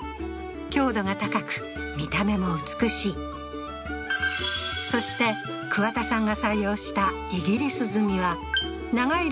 強度が高く見た目も美しいそして桑田さんが採用したイギリス積みは長い